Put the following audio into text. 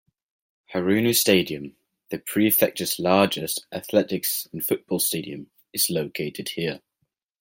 Haruno Stadium, the prefecture's largest athletics and football stadium, is located here.